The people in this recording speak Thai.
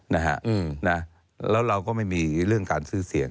นะฮะแล้วเราก็ไม่มีเรื่องการซื้อเสียง